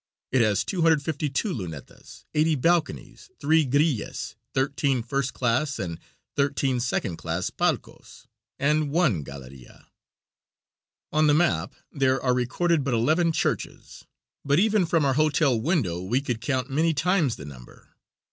It has 252 lunetas, eighty balconies, three grilles, thirteen first class and thirteen second class palcos, and one galeria. On the map there are recorded but eleven churches, but even from our hotel window we could count many times the number.